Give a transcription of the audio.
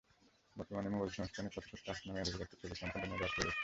বর্তমানে মোবাইল সংস্করণে Photoshop Touch নামে অ্যাডোবির একটি ছবি সম্পাদনার অ্যাপ রয়েছে।